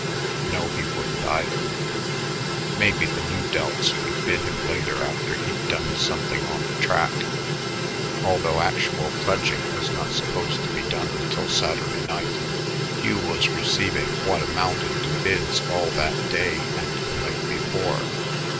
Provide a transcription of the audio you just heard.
No, he wouldn't, either. Maybe the Nu Delta's would bid him later after he'd done something on the track. Although actual pledging was not supposed to be done until Saturday night, Hugh was receiving what amounted to bids all that day and the night before.